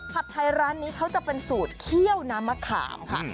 ผัดไทยร้านนี้เขาจะเป็นสูตรเคี่ยวน้ำมะขามค่ะ